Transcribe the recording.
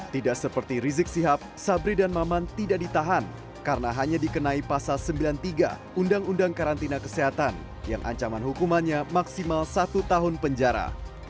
tidak seperti rizik sihab sabri dan maman tidak ditahan karena hanya dikenai pasal sembilan puluh tiga undang undang karantina kesehatan yang ancaman hukumannya maksimal satu tahun penjara